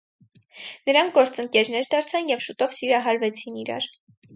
Նրանք գործընկերներ դարձան և շուտով սիրահարվեցին իրար։